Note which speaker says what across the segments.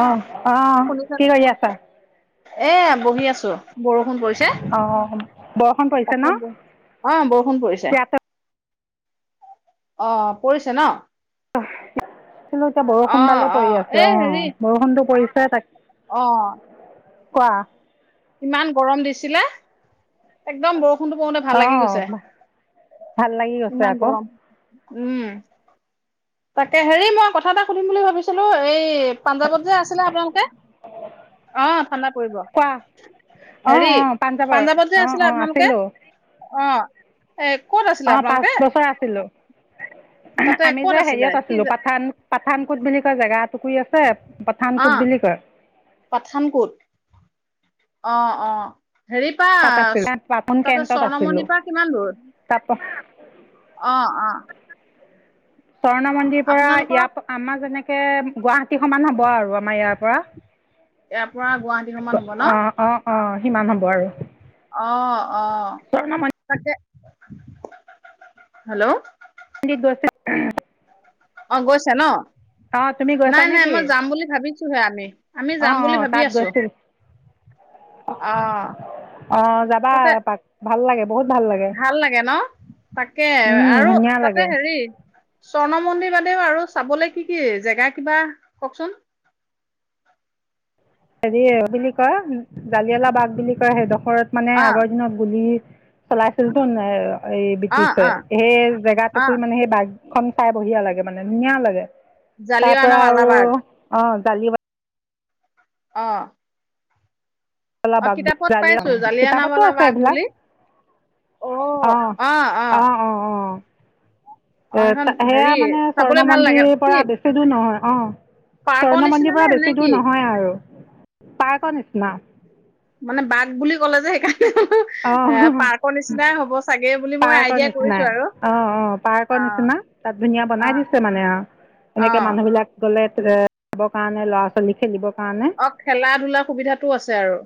Speaker 1: অ অ
Speaker 2: শুনিছানে?
Speaker 1: কি কৰি আছা।
Speaker 2: এ বহি আছো বৰষুণ পৰিছো।
Speaker 1: অ বৰষুণ পৰিছে ন
Speaker 2: ব অ' বৰষুণ পৰিছে
Speaker 1: ইয়াতে
Speaker 2: অ পৰিছে ন
Speaker 1: অ আছিলো এতিয়া বৰষুণ
Speaker 2: অ'
Speaker 1: দালে পৰি আছে অ
Speaker 2: এই হেৰি
Speaker 1: বৰষুণো পৰিছে ত তাক
Speaker 2: অ
Speaker 1: কোৱা
Speaker 2: ইমান গৰম দিছিলে একদম বৰষুণটো পৰোতে ভাল লাগি
Speaker 1: অঁ
Speaker 2: গৈছে
Speaker 1: ভাল লাগি গৈছে
Speaker 2: ইমান
Speaker 1: আকৌ
Speaker 2: গৰম উম তাকে হেৰি মই কথা এটা সুধিম বুলি ভাবিছিলো এই পঞ্জাৱত যে আছিলে আপোনালোকে অ ঠাণ্ডা পৰিব
Speaker 1: কোৱা অঁ
Speaker 2: হেৰি
Speaker 1: অঁ পাঞ্জাৱৰ
Speaker 2: পাঞ্জাৱত যে
Speaker 1: অঁ
Speaker 2: আছিলে
Speaker 1: অঁ
Speaker 2: আপোনালোকে অ এ ক'ত আছিলে
Speaker 1: অ পাঁচ
Speaker 2: আপোনালোকে
Speaker 1: বছৰ আছিলো
Speaker 2: তাতে
Speaker 1: আমি
Speaker 2: ক'ত
Speaker 1: যে
Speaker 2: আছিলে
Speaker 1: হেৰিয়ত
Speaker 2: কি
Speaker 1: আছিলো
Speaker 2: জে
Speaker 1: পাঠান পাঠান কোট বুলি কয় জেগা টোকুৰি আছে পাঠান কুট
Speaker 2: অ'
Speaker 1: বুলি কয়
Speaker 2: পাঠানকোট অ অ হেৰিপা
Speaker 1: তাত আছিলোঁ পাপন
Speaker 2: তাতে
Speaker 1: কেন্টত আছিলোঁ
Speaker 2: স্বৰ্ণমন্দিৰপৰা কিমান দূৰ
Speaker 1: তাৰপৰা
Speaker 2: অ অ
Speaker 1: স্বৰ্ণ মন্দিৰ পৰা
Speaker 2: আপোনালোকৰ
Speaker 1: ইয়াৰ আমাৰ যেনেকে তে গুৱাহাটী সমান হব আৰু আমাৰ ইয়াৰ পৰা
Speaker 2: এ
Speaker 1: অ অ অ সিমান হ'ব আৰু
Speaker 2: আহ আহ
Speaker 1: স্বৰ্ণ
Speaker 2: তাকে হেল্ল'
Speaker 1: পডিত দস
Speaker 2: অ গৈছে ন
Speaker 1: গৈছা
Speaker 2: নাই নাই
Speaker 1: নেকি
Speaker 2: মই যাম বুলি ভাবিছোহে আমি আমি যাম বুলি ভাবি আছো অ
Speaker 1: অ যাবা
Speaker 2: তাতে
Speaker 1: এপাক ভাল লাগে
Speaker 2: ভাল লাগে ন তাকে
Speaker 1: উম
Speaker 2: আৰু
Speaker 1: ধুনীয়া
Speaker 2: তাতে
Speaker 1: লাগে
Speaker 2: হেৰি স্বৰ্ণ মন্দিৰ বদেউ আৰু চাবলে কি কি জেগা কিবা কওকচোন
Speaker 1: হেৰি বুলি কয় জালিয়ালা বাঘ বুলি কয় সেইটোখ। ঘৰত মানে
Speaker 2: অ
Speaker 1: আগৰ দিনত গুলি। চলাইছিলো নাই আৰু। এই
Speaker 2: অ
Speaker 1: ব্ৰটিছছে
Speaker 2: অ
Speaker 1: সেই
Speaker 2: অ
Speaker 1: জেগাতকু মানে সেই বাঘ। খখন খাই বঢ়িয়া লাগে মানে ধুনীয়া লাগে। তাৰ
Speaker 2: জালিৱানা
Speaker 1: পৰাৰা আৰু
Speaker 2: বালাবাগ
Speaker 1: অ। চালি।
Speaker 2: অ। অ কিতাপত
Speaker 1: জালিয়ানাবালা
Speaker 2: পাইছো
Speaker 1: বাঘ কিতাপতো
Speaker 2: জালিয়ানাৱালা
Speaker 1: আছে্
Speaker 2: বাগ
Speaker 1: এইবিলাক
Speaker 2: বুলি
Speaker 1: অ অ অ অ।
Speaker 2: অ
Speaker 1: এ
Speaker 2: সেইখন হেৰি
Speaker 1: সেয়া মানে
Speaker 2: চাবলৈ
Speaker 1: স্বৰ্ণ
Speaker 2: ভাল লাগে
Speaker 1: মন্দিৰ
Speaker 2: কি
Speaker 1: পৰা বেছি দূৰ নহয়। অ
Speaker 2: পাৰ্কৰ
Speaker 1: স্বৰ্ণ
Speaker 2: নিচিনা
Speaker 1: মন্দিৰ
Speaker 2: নে
Speaker 1: পৰা
Speaker 2: নে
Speaker 1: বেছি
Speaker 2: কি
Speaker 1: দূৰ নহয় আৰু। পাৰকৰ নিচিনা
Speaker 2: মানে বাঘ বুলি কলে যে সেইকাৰণ।
Speaker 1: অ
Speaker 2: হ'ব চাগে বুলি মই
Speaker 1: পাৰ্কৰ
Speaker 2: আইডিয়া কৰিছো
Speaker 1: নিচিনাই
Speaker 2: আৰু
Speaker 1: অ অ পাৰ্কৰ
Speaker 2: অ
Speaker 1: নিচিনা তাত ধুনীয়া
Speaker 2: অ
Speaker 1: বনাই দিছে। মানে আহ
Speaker 2: অ
Speaker 1: এনেকে মানুহ বিলাক গলে। যাবৰ কাৰণে ল'ৰা ছোৱালী খেলিব।
Speaker 2: অ খেলা ধূলাৰ সুবিধাতটো আছে আৰু।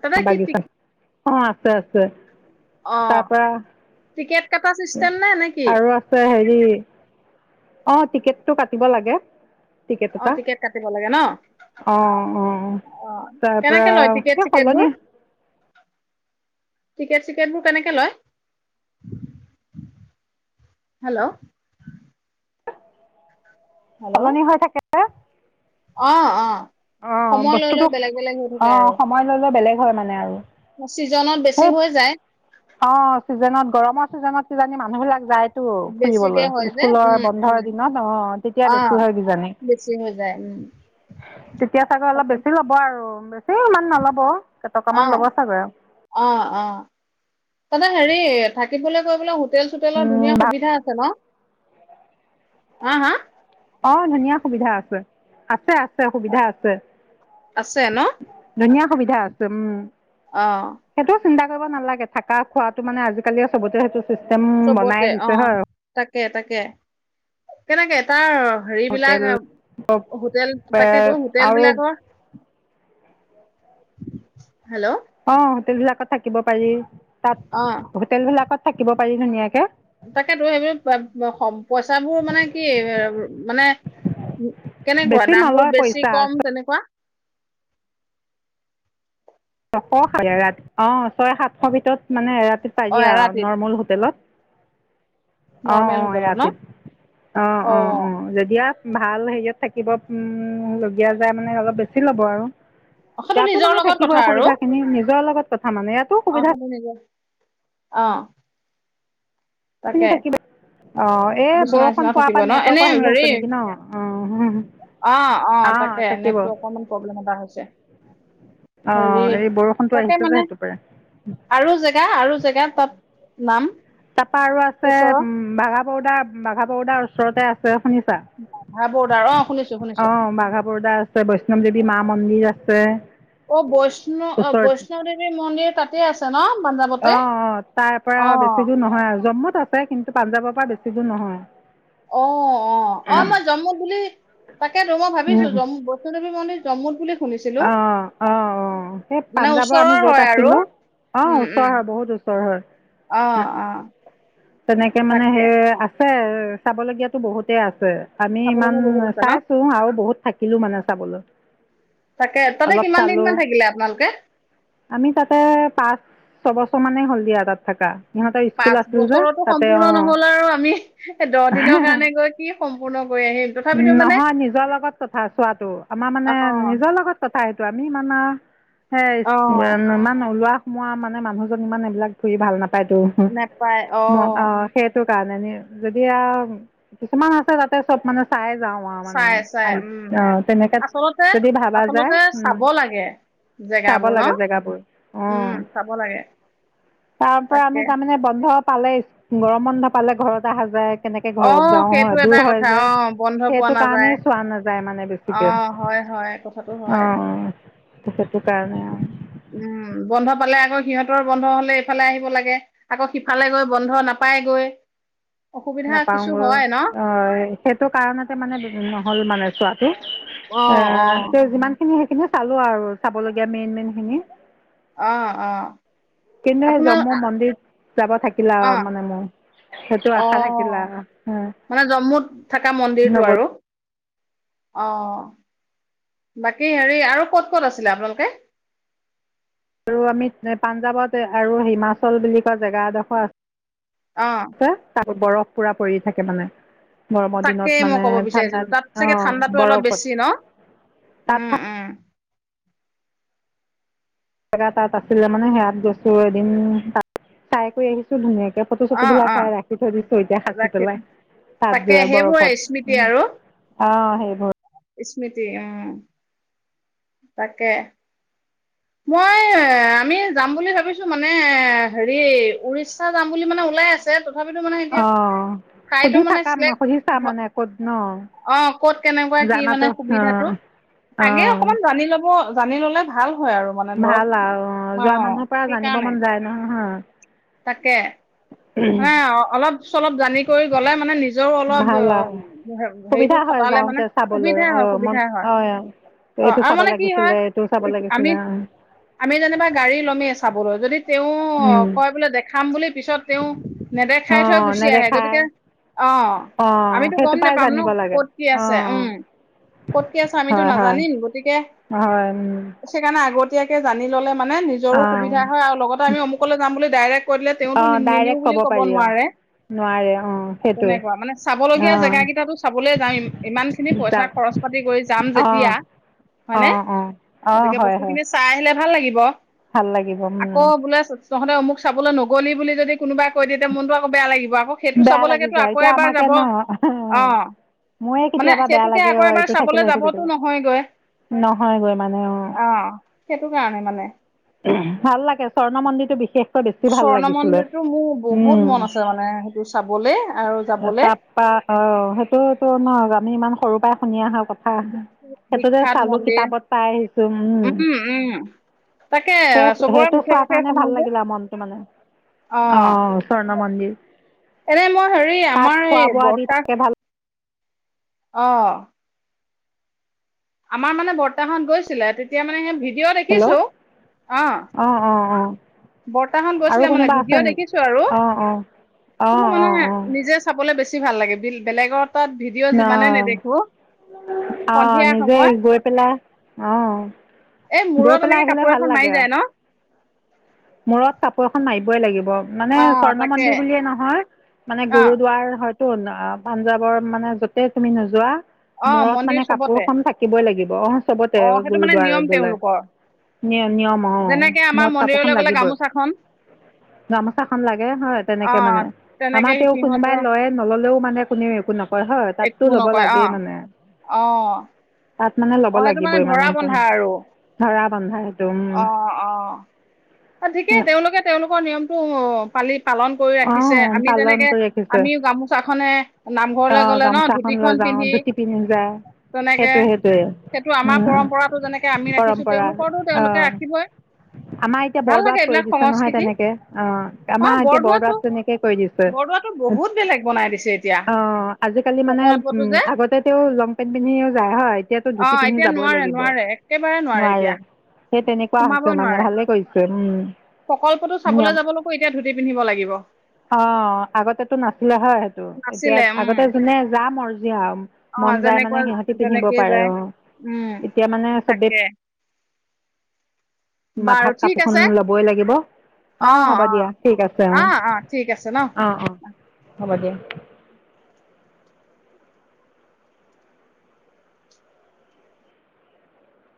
Speaker 2: তেনে কি পিট।
Speaker 1: অ আছে আছে। তাৰাপৰা।
Speaker 2: ঠিকে।
Speaker 1: আৰু আছে হেৰি। অ টিকেটটো কাটিব লাগে। টিকট
Speaker 2: অ
Speaker 1: এটা
Speaker 2: টিকেট কাটিব লাগে ন
Speaker 1: অ অ
Speaker 2: অ
Speaker 1: তাৰ পৰা
Speaker 2: কেনেকে লয় টিকেট
Speaker 1: সেই
Speaker 2: চিকেট বোৰ
Speaker 1: সলনি।
Speaker 2: টিকেট চিকেটবোৰ কেনেকে লয়? হেল্ল' হেল্ল'
Speaker 1: সলনি হৈ থাকে।
Speaker 2: অ অ।
Speaker 1: অ
Speaker 2: সময় লৈ লৈ
Speaker 1: বস্তুতো
Speaker 2: বেলেগ বেলেগ হৈ
Speaker 1: অ
Speaker 2: থাকে আৰু।
Speaker 1: সময় লৈ লৈ বেলেগ। হয় মানে আৰু।
Speaker 2: ছিজনত বেছি
Speaker 1: সেই
Speaker 2: হৈ যায়।
Speaker 1: অঁ ছিজনত গৰমৰ ছিজনত কিজানি মানুহবিলাক যায়।
Speaker 2: বেছিকে
Speaker 1: ফুৰিবলৈ
Speaker 2: হয় যে
Speaker 1: স্কুলৰ
Speaker 2: উম
Speaker 1: বন্ধৰ
Speaker 2: উম।
Speaker 1: দিনত অহ তেতিয়া বেছি
Speaker 2: অ'
Speaker 1: হয় কিজানি।
Speaker 2: বেছি হৈ যায় উম
Speaker 1: তেতিয়া চাগৈ অলপ
Speaker 2: তাকে
Speaker 1: বেছি ল'ব আৰু। এই ইমান নল'ব কেইটকামান ল'ব
Speaker 2: অ'
Speaker 1: চাগৈ।
Speaker 2: অ' অ'। তাতে হেৰি থাকিবলৈ কৰিবলৈ। হোটেল-চোটেলৰ ধুনীয়া সুবিধা আছে ন? হা-হা
Speaker 1: অ' ধুনীয়া সুবিধা আছে, আছে ছে সুবিধা আছে।
Speaker 2: আছে ন?
Speaker 1: ধুনীয়া সুবিধা আছে উম।
Speaker 2: অ'
Speaker 1: সেইটো চিন্তা কৰিব নালাগে থাকা-খোৱাটো মানে আজিকালি আৰু চবতে সেইটো। চিষ্টেম বনায়ে দিছে হয়।
Speaker 2: তাকে-তাকে। কেনেকে তাৰ
Speaker 1: হোটেল
Speaker 2: হেৰিবিলাক, হোটেল তাকেতো হোটেল
Speaker 1: আৰু
Speaker 2: বিলাকৰ হেল্ল'।
Speaker 1: অ' হোটেলবিলাকত থাকিব পাৰি। তাত
Speaker 2: অ'
Speaker 1: হোটেলবিলাকত থাকিব পাৰি ধুনীয়াকে।
Speaker 2: তাকেতো, সেইবোৰ [unintelligible] পইচাবোৰ মানে কি মানে কেনেকুৱা
Speaker 1: বেছি
Speaker 2: দামবোৰ
Speaker 1: নলয় পইচা
Speaker 2: বেছি-কম তেনেকুৱা?
Speaker 1: ছয়-সাতশ ভিতৰত মানে এৰাতি পাই
Speaker 2: অ
Speaker 1: দিয়া
Speaker 2: এৰাতিত
Speaker 1: নৰ্মেল হোটেলত অ'
Speaker 2: নৰ্মেল
Speaker 1: অ'
Speaker 2: হোটেলত ন
Speaker 1: এৰাতিত। অ' অ' অ' যদি আৰু ভাল ইয়াত থাকিব উম-লগীয়া যায় মানে অলপ বেছি ল'ব আৰু।
Speaker 2: অ' সেটো
Speaker 1: ইয়াতো মানে
Speaker 2: নিজৰ লগত
Speaker 1: থাকিব
Speaker 2: কথা আৰু
Speaker 1: সুবিধাখিনি নিজৰ লগত কথা মানে, ইয়াতো
Speaker 2: অ
Speaker 1: সুবিধা
Speaker 2: সেইটো নিজৰ অ'।
Speaker 1: আপুনি
Speaker 2: তাকে।
Speaker 1: থাকিব অঁ এই বৰষুণ
Speaker 2: বিচনা-চিচনা
Speaker 1: পোৱাৰ
Speaker 2: থাকিব
Speaker 1: পৰা
Speaker 2: ন? এনে
Speaker 1: নেটৱৰ্কৰ
Speaker 2: হেৰি,
Speaker 1: হৈছে নেকি ন অঁ
Speaker 2: অ' অ'
Speaker 1: অঁ
Speaker 2: তাকে
Speaker 1: থাকিব
Speaker 2: নেটটো অকমান প্ৰব্লেম এটা হৈছে।
Speaker 1: অঁ
Speaker 2: হেৰি,
Speaker 1: এই বৰষুণটো
Speaker 2: তাকে
Speaker 1: আহিছে যে
Speaker 2: মানে
Speaker 1: সেইটো পাৰে
Speaker 2: আৰু জেগা আৰু জেগা তাত নাম
Speaker 1: তাৰপা আৰু আছে,
Speaker 2: ওচৰৰ
Speaker 1: উম বাঘা বৰোদাৰ, বাঘা বৰোদাৰ ওচৰৰ ওচৰতে আছে শুনিচ [unintelligible]
Speaker 2: হা বৰ্ডাৰ অ শুনিছো শুনিছো
Speaker 1: অ' বাঘাপৰুদা আছে, বৈষ্ণৱ দেৱী মা মন্দিৰ আছে।
Speaker 2: অ' বৈষ্ণ-বৈষ্ণৱদেৱীৰ মন্দিৰ তাতেই আছে ন?
Speaker 1: অ'
Speaker 2: পাঞ্জাৱতে
Speaker 1: অ' তাৰ পৰা
Speaker 2: অ
Speaker 1: বেছি দূৰ নহয় আৰু। জম্মু তাতে কিন্তু পাঞ্জাৱত বেছি দূৰ নহয়।
Speaker 2: অ অ অ মই জম্মু বুলি তাকেইতো মই ভাবিছো জম্মু বৈষ্ণুদেৱী মন্দিৰ। জম্মু বুলি। শুনিছিলো
Speaker 1: অ অ অ সেই
Speaker 2: মানে
Speaker 1: পাঞ্জাৱৰ আমি
Speaker 2: ওচৰৰ
Speaker 1: যত
Speaker 2: হয় আৰু
Speaker 1: আছিলো অ
Speaker 2: উম উম
Speaker 1: ওচৰ হয় বহুত ওচৰ হয়
Speaker 2: অ অ
Speaker 1: তেনেকে মানে
Speaker 2: তাকে
Speaker 1: সেই আ। আছে চাবলগীয়াাতো বহুতেই আছে। আমি
Speaker 2: চাব
Speaker 1: ইমান
Speaker 2: লগা বহুত আছে ন
Speaker 1: চাইছো আৰু বহুত। থাকিলে মানে চাবলৈ।
Speaker 2: তাকে তাতে
Speaker 1: অলপ
Speaker 2: কিমান দিন
Speaker 1: চালোঁ
Speaker 2: মান থাকিলে আপোনালোকে।
Speaker 1: আমি তাতে পাঁচ ছবছৰ মানেই হ'ল দিয়া তাত থাকা।
Speaker 2: পাঁচ বছৰতো সম্পূৰ্ণ নহল আৰু আমি দহ দিনৰ কাৰণে গৈ কি সম্পূৰ্ণ কৰি আহিম তথাপিতো মানে
Speaker 1: নহয় নিজৰ লগত কথা
Speaker 2: অ।
Speaker 1: চাইটো আমি মানে।
Speaker 2: অ
Speaker 1: সেইমান ন ওলোৱা। মোৰ মানে মানুহজন ইমান এইবিলাক ফুৰি ভাল নাপায়। তাকেতো হো
Speaker 2: নেপায় অ
Speaker 1: ম আ সেই। হে কাৰণে নিয়ে যদি আও কিছুমান আছে তাতে চব মানে চাই। যাওঁ আও মানে
Speaker 2: চাই চাই উম
Speaker 1: আহিছো অ তেনেকে
Speaker 2: আচলতে
Speaker 1: যদি ভাবা।
Speaker 2: আচলতে
Speaker 1: উম
Speaker 2: চাব লাগে
Speaker 1: চাব
Speaker 2: জেগাবোৰ ন
Speaker 1: লাগে জেগাবোৰ উম
Speaker 2: চাব লাগে
Speaker 1: তাৰ পৰা
Speaker 2: তাকে
Speaker 1: আমি তাৰমানমানে। বন্ধ পালে স্কুলৰ বন্ধ পালে ঘৰত অহা যায়। কেনেকে
Speaker 2: অ
Speaker 1: ঘৰত যাও
Speaker 2: সেইটো
Speaker 1: হয়
Speaker 2: এটা
Speaker 1: দূৰ হয়
Speaker 2: কথা
Speaker 1: যে
Speaker 2: অ বন্ধ পোৱা
Speaker 1: সেইটো
Speaker 2: নাযায়
Speaker 1: কাৰণেই চোৱা নাযায় মানে
Speaker 2: অ
Speaker 1: বেছিকে।
Speaker 2: হয় হয় কথাটো হয়
Speaker 1: অম। [unintelligible]
Speaker 2: উম বন্ধ পালে। আকৌ সিহঁতৰ বন্ধ হলে এইফালে আহিব লাগে আকৌ সিফালে গৈ বন্ধ নাপাই গৈ।
Speaker 1: নাপাওঁগৈ অ সেইটো কাৰণতে মানে নহ'ল মানে চোৱাটো
Speaker 2: অ অ
Speaker 1: এ যিমানখিনি। কিন্তু চালো আৰু চাবলগীয়া মেইন মেইন খিনি।
Speaker 2: আহ আহ।
Speaker 1: কিন্তু সেই জম্মু মন্দিৰ যাব থাকিলা
Speaker 2: অ
Speaker 1: মানে মোৰ সেইটো
Speaker 2: অ
Speaker 1: আশা থাকিলা ও
Speaker 2: মানে জম্মুত থকা মন্দিৰটো
Speaker 1: লগত।
Speaker 2: আৰু অ বাকী হেৰি আৰু ক'ত ক'ত আছিলে আপোনালোকে।
Speaker 1: আৰু আমি পাঞ্জাৱত আৰু হিমাচল বুলি কোৱা জেগা এডোখৰ আ।
Speaker 2: অহ।
Speaker 1: বৰফ পুৰা পৰি থাকে মানে। গৰমৰ দিনত
Speaker 2: তাকেই মই
Speaker 1: মানে
Speaker 2: ক'ব
Speaker 1: ঠাণ্ডা
Speaker 2: বিচাৰিছিলো তাত চাগে
Speaker 1: অঁ
Speaker 2: ঠাণ্ডাতো অলপ
Speaker 1: বৰফত
Speaker 2: বেছি ন
Speaker 1: তাত
Speaker 2: উম উম।
Speaker 1: জেগা তাত আছিলে মানে সেয়াত গৈছো এদিন তাত চাই কৰি আহিছো ধুনীয়াকে। ফটো
Speaker 2: অ
Speaker 1: চটু
Speaker 2: অ
Speaker 1: বিলাক ৰাখি থয় দিছে। এতিয়া হাচি
Speaker 2: ৰাখি
Speaker 1: পেলাই তাত
Speaker 2: তাকে
Speaker 1: যোৱা
Speaker 2: সেইবোৰে
Speaker 1: বৰফত
Speaker 2: স্মৃতি
Speaker 1: উ
Speaker 2: আৰু
Speaker 1: অ সেইবোৰ
Speaker 2: স্মৃতি অ তাকে। মই এ আমি যাম বুলি ভাবিছো মানে হেৰি উৰিষ্যা যাম বুলি মানে ওলাই আছে। তথাপিতো মানে এতিয়া
Speaker 1: অ
Speaker 2: ঠাই টো
Speaker 1: সুধি
Speaker 2: মানে
Speaker 1: থাকা
Speaker 2: চিলেক্ট
Speaker 1: সুধি চা মানে ক'ত ন
Speaker 2: কত কেনেকুৱা কি মানে
Speaker 1: জানাতো অ
Speaker 2: সুবিধাবোৰ
Speaker 1: অ
Speaker 2: আগে অকণমান জানি লব। জানি ললে ভাল হয় আৰু মানে ধৰক
Speaker 1: ভাল আৰু
Speaker 2: অ
Speaker 1: যোৱা মানুহৰ পৰা জানিব
Speaker 2: সেইকাৰণে
Speaker 1: মন যায় নহয় হা।
Speaker 2: তাকে হে অলপ চলপ। জানি কৰি গ'লে মানে নিজৰ অলপ
Speaker 1: ভাল আৰু
Speaker 2: হেৰিটো
Speaker 1: সুবিধা হয়
Speaker 2: খটালে মানে
Speaker 1: যাওঁতে চাবলৈ অ মন
Speaker 2: সুবিধা হয়
Speaker 1: অ এইটো
Speaker 2: আৰু
Speaker 1: চাব
Speaker 2: মানে কি হয়
Speaker 1: লাগিছিলে এইটো চাব লাগিছিলে
Speaker 2: আমি যেনিবা গাড়ী লয়েই চাবলৈ তেওঁ
Speaker 1: অ উম
Speaker 2: কয় বোলে দেখাম বুলি পিছত। তেওঁ
Speaker 1: অ
Speaker 2: নেদেখাই থৈ গুচি আহে
Speaker 1: নেদেখাই
Speaker 2: গতিকে অ
Speaker 1: অঁ
Speaker 2: আমিতো
Speaker 1: সেইটো
Speaker 2: গম
Speaker 1: পাই
Speaker 2: নোপাম ন
Speaker 1: জানিব লাগে
Speaker 2: কত কি আছে
Speaker 1: অঁ
Speaker 2: উম কত কি আছে আমিতো
Speaker 1: হয় হয়
Speaker 2: নাজানিম গতিকে
Speaker 1: হয়
Speaker 2: সেইকাৰণে আগতে। আগতিয়াকে জানি ল'লে। মানে নিজৰো
Speaker 1: অঁ
Speaker 2: সুবিধা হয় আৰু লগতে আমি অমুকলৈ। যাম বুলি ডাইৰেক্ট কলে তেওঁটো
Speaker 1: অঁ
Speaker 2: নিনো
Speaker 1: ডাইৰেক্ট
Speaker 2: বুলি ক'ব
Speaker 1: পাৰি অঁ
Speaker 2: নোৱাৰে
Speaker 1: নোৱাৰে অঁ
Speaker 2: মানে
Speaker 1: সেইটোৱে
Speaker 2: তেনেকুৱা মানে চাবলগীয়া
Speaker 1: অঁ
Speaker 2: জেগা কিতাটো চাব যাম ইমান খিনি পইছা
Speaker 1: যাম
Speaker 2: খৰছ পাতি কৰি যাম
Speaker 1: অঁ
Speaker 2: যেতিয়া হয়নে
Speaker 1: অঁ অঁ অঁ
Speaker 2: গতিকে
Speaker 1: হয়
Speaker 2: বস্তু
Speaker 1: হয়
Speaker 2: খিনি চাই আহিলে ভাল লাগিব।
Speaker 1: ভাল লাগিব উম।
Speaker 2: আকৌ বোলে তহঁতে মোক চাবলৈ নগলি বুলি যদি। কোনোবাই কৈ দিে মনতটো আকৌ বেয়া লাগিব আকৌ সেইটো চাব
Speaker 1: বেয়া লাগি
Speaker 2: লাগেতো
Speaker 1: যায়
Speaker 2: আকৌ
Speaker 1: এতিয়া
Speaker 2: এবাৰ
Speaker 1: আমাকে
Speaker 2: যাব
Speaker 1: ন
Speaker 2: অ
Speaker 1: মোৰে
Speaker 2: মানে
Speaker 1: কেতিয়াবা বেয়া
Speaker 2: সেইটোকে
Speaker 1: লাগে
Speaker 2: আকৌ এবাৰ
Speaker 1: এইটো
Speaker 2: চাবলে
Speaker 1: থাকিলে সেইটো
Speaker 2: যাবতো
Speaker 1: থাকিলে
Speaker 2: নহয়গৈ
Speaker 1: নহয়গৈ মানে অঁ
Speaker 2: আহ সেইটো কাৰণে মানে।
Speaker 1: ভাল লাগে স্বৰ্ণ মন্দিৰটো বিশেষকৈ বেছি ভাল
Speaker 2: স্বৰ্ণ
Speaker 1: লাগিছিলে
Speaker 2: মন্দিৰটো মোৰ বহুত
Speaker 1: উম
Speaker 2: মন আছে মানে সেইটো চাবলে আৰু যাবলে
Speaker 1: তাপ পা অ সেইটোতো নহ আমি ইমান সৰু। দুটা ই শুনি আহাক ক সেইটো যে
Speaker 2: বিখ্যাত
Speaker 1: চালো
Speaker 2: মন্দিৰ
Speaker 1: কিতাপত পাই আহিছো উম
Speaker 2: তাকে
Speaker 1: সেই
Speaker 2: চবৰে
Speaker 1: সেইটো
Speaker 2: মুখে
Speaker 1: চোৱাৰ
Speaker 2: মুখে
Speaker 1: কাৰণে
Speaker 2: শুনো
Speaker 1: ভাল
Speaker 2: যে
Speaker 1: লাগিলে মনটো মানে অ চৰ্ণ মন্দিৰ
Speaker 2: এনে মই হেৰি
Speaker 1: তাত
Speaker 2: আমাৰ
Speaker 1: খোৱা
Speaker 2: এই
Speaker 1: বোৱা দি
Speaker 2: বৰ্তাক।
Speaker 1: থাকে ভাল
Speaker 2: আহ আমাৰ মানে বৰ্তাহত গৈছিলে তেতিয়া মানে সেই ভ
Speaker 1: হেল্ল' অ অ অ।
Speaker 2: বৰ্তাখন গৈছিলে মানে ভিডিঅ' দেখিছো আৰু
Speaker 1: অঁ অঁ অঁ
Speaker 2: কিন্তু মানে
Speaker 1: অঁ অঁ
Speaker 2: নিজে চাবলৈ বেছি। বেছি ভাল লাগে বেলেগত।
Speaker 1: অ অহ
Speaker 2: সন্ধিয়া
Speaker 1: নিজে
Speaker 2: সময়ত
Speaker 1: গৈ পেলাই অহ।
Speaker 2: এই মূৰত এনেকে কাপোৰ এখন মাৰি যায় ন।
Speaker 1: মূৰত কাপোৰ এখন মাই। ই লাগিব। মানে
Speaker 2: অ
Speaker 1: স্বৰ্ণ
Speaker 2: তাকে
Speaker 1: মন্দিৰ বুলিয়ে নহয়। মানে
Speaker 2: অ
Speaker 1: গুৰুদুৱাৰ হয়। পাঞ্জাৱৰ মানে য'তেই তুমি নোযোৱা।
Speaker 2: অ
Speaker 1: মূৰত
Speaker 2: মন্দিৰ
Speaker 1: মানে
Speaker 2: চবতে
Speaker 1: কাপোৰখন থাকিবই লাগিব। অ চবতে
Speaker 2: অ সেইটো মানে নিয়ম
Speaker 1: গুৰুদুৱাৰত গলে
Speaker 2: তেওঁলোকৰ
Speaker 1: ন নিয়ম আহ
Speaker 2: যেনেকে আমাৰ
Speaker 1: মূৰত কাপোৰ
Speaker 2: মন্দিৰলৈ গ'লে
Speaker 1: লাগিবই
Speaker 2: গামোচাখন
Speaker 1: গামোচাখন লাগে হয়।
Speaker 2: অ
Speaker 1: তেনেকে মানে
Speaker 2: তেনেকে
Speaker 1: আমাৰ তেওঁ কোনোবাই
Speaker 2: সিহঁতৰ
Speaker 1: লয় নললেও মানে কোনে একো নকয় হয় তাততো ল'ব লাগেই মানে।
Speaker 2: অহ।
Speaker 1: তাত মানে ল'ব লাগিবই মানে সেইখন ধৰা। বন্ধাই।
Speaker 2: অহ অহ। ঠিকেই তেওঁলোকে তেওঁলোকৰ নিয়মটো অ। গম পালি। পালন কৰি ৰাখিছে।
Speaker 1: অঁ
Speaker 2: আমি
Speaker 1: পালন
Speaker 2: যেনেকে
Speaker 1: কৰি ৰাখিছে
Speaker 2: আমিও গামোচাখনে
Speaker 1: অ
Speaker 2: নামঘৰলে গলে ন
Speaker 1: গামোচাখন লৈ
Speaker 2: ধুতিখন
Speaker 1: যাওঁ
Speaker 2: পিন্ধি
Speaker 1: ধুতি পিন্ধি যায়
Speaker 2: তেনেকে
Speaker 1: সেইটোৱে সেইটোৱে
Speaker 2: সেইটো আমাৰ
Speaker 1: উম
Speaker 2: পৰম্পৰাতটো যেনেকে আমি ৰাখিছো।
Speaker 1: পৰম্পৰা
Speaker 2: তেওঁলোকো তেওঁলোকে ৰাখিবই। ভাল
Speaker 1: বৰবাদ
Speaker 2: লাগে
Speaker 1: কৰি
Speaker 2: এইবিলাক
Speaker 1: দিছে নহয়
Speaker 2: সংস্কৃতি
Speaker 1: তেনেকে অ
Speaker 2: অ
Speaker 1: আমাৰ। এতিয়া বৰবাত
Speaker 2: বৰদোৱাতো
Speaker 1: তেনেকে কৈ দিছে।
Speaker 2: বৰদোৱাতো বহুত বেলেগ বনাই দিছে এতিয়া
Speaker 1: অ আজিকালি মানে উ
Speaker 2: প্ৰকল্পটো যে
Speaker 1: আগতে তে লং পেন্ট পিন্ধিও যায় হয়। এতিয়াাতো
Speaker 2: অ
Speaker 1: ধুতি পিন্ধি
Speaker 2: এতিয়া
Speaker 1: যাবই
Speaker 2: নোৱাৰে
Speaker 1: লাগিব
Speaker 2: নোৱাৰে একেবাৰে
Speaker 1: নোৱাৰে।
Speaker 2: এতিয়া
Speaker 1: সেই তেনেকুৱা হৈছে
Speaker 2: সোমাবই
Speaker 1: মানে
Speaker 2: নোৱাৰে
Speaker 1: ভালে কৰিছে
Speaker 2: প্ৰকল্পটো চাবলৈ
Speaker 1: উম।
Speaker 2: যাবলৈকো এতিয়া ধুতি পিন্ধিব লাগিব
Speaker 1: অ আগতেটো নাছিলে। হয় সেইটো এতিয়া
Speaker 2: নাছিলে উম
Speaker 1: আগতে যোনে যা মৰ্জি আও
Speaker 2: অ
Speaker 1: মন যায়
Speaker 2: যেনেকুৱা
Speaker 1: মানে সিহঁতি পিন্ধিব
Speaker 2: যেনেকেই
Speaker 1: পাৰে
Speaker 2: যায়
Speaker 1: অ
Speaker 2: উম
Speaker 1: এতিয়া মানে চবেই।
Speaker 2: তাকে বাৰু
Speaker 1: মাথাত
Speaker 2: ঠিক
Speaker 1: কাপোৰখন
Speaker 2: আছে
Speaker 1: ল'বই লাগিব। অ হ'ব দিয়া ঠিক আছে অ
Speaker 2: ঠিক আছে ন
Speaker 1: অ অ হ'ব দিয়া।